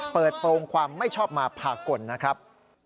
โปรงความไม่ชอบมาพากลนะครับ